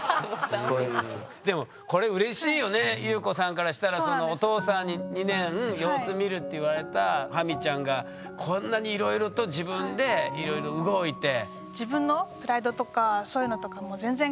でもこれうれしいよね裕子さんからしたらそのお父さんに２年様子見るって言われたハミちゃんがこんなにいろいろと自分でいろいろ動いて。